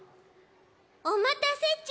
おまたせち。